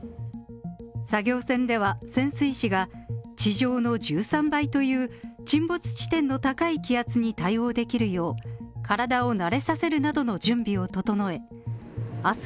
作業船では潜水士が地上の１３倍という沈没地点の高い気圧に対応できるよう、体を慣れさせるなどの準備を整え明日